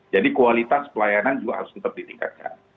jadi kualitas pelayanan juga harus tetap ditingkatkan